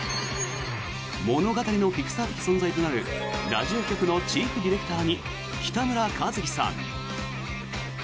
物語のフィクサー的存在となるラジオ局のチーフディレクターに北村一輝さん。